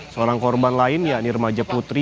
seorang korban lain yakni remaja putri